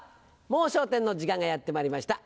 『もう笑点』の時間がやってまいりました。